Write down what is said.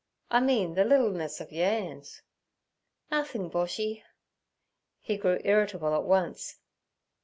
—I mean ther liddleness ov yer 'ands.' 'Nothing, Boshy.' He grew irritable at once.